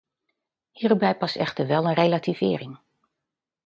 Hierbij past echter wel een relativering.